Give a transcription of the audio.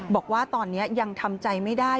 บอกว่าตอนนี้ยังทำใจไม่ได้